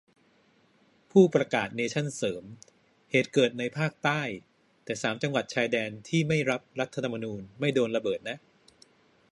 ผู้ประกาศเนชั่นเสริม เหตุเกิดในภาคใต้ แต่สามจังหวัดชายแดนที่ไม่รับรัฐธรรมนูญไม่โดนระเบิดนะ